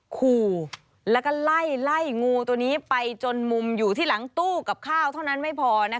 ขู่แล้วก็ไล่ไล่งูตัวนี้ไปจนมุมอยู่ที่หลังตู้กับข้าวเท่านั้นไม่พอ